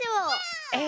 え？